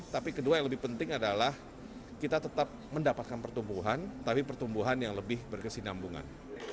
tapi kedua yang lebih penting adalah kita tetap mendapatkan pertumbuhan tapi pertumbuhan yang lebih berkesinambungan